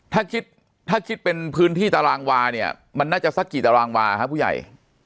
ถ้าคิดถ้าคิดเป็นพื้นที่ตารางวาเนี่ยมันน่าจะสักกี่ตารางวาครับผู้ใหญ่